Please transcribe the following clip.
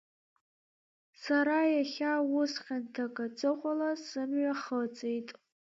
Сара иахьа ус хьанҭак аҵыхәала сым-ҩахыҵит.